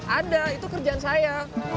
ada itu kerjaan saya